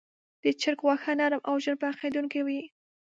د چرګ غوښه نرم او ژر پخېدونکې وي.